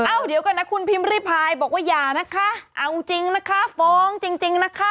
เดี๋ยวก่อนนะคุณพิมพ์ริพายบอกว่าอย่านะคะเอาจริงนะคะฟ้องจริงนะคะ